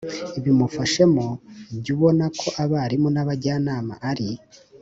Bimufashemo jya ubona ko abarimu n abajyanama ari